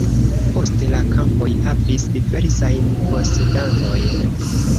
Poste la kampoj havis diversajn posedantojn.